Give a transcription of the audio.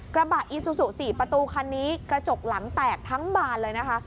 กระบะอีซูซู๔ประตูคันนี้กระจกหลังแตกทั้งบานเลยนะคะ